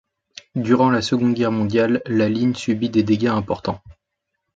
Durant la Seconde Guerre mondiale, la ligne subit des dégâts importants.